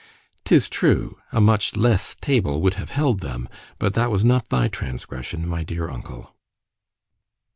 ——'Tis true, a much less table would have held them—but that was not thy transgression, my dear uncle.